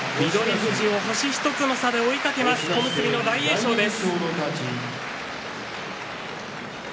富士を星１つの差で追いかけます小結の大栄翔です。